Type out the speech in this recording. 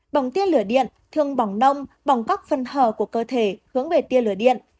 bỏng tiên lửa điện thường bỏng nông bỏng góc phân hờ của cơ thể hướng về tiên lửa điện